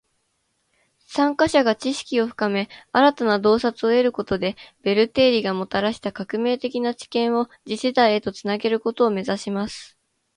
参加者が知識を深め，新たな洞察を得ることで，ベル定理がもたらした革命的な知見を次世代へと繋げることを目指します．